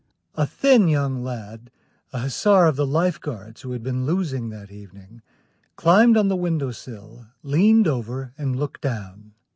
A thin young lad, an hussar of the Life Guards, who had been losing that evening, climbed on the window sill, leaned over, and looked down.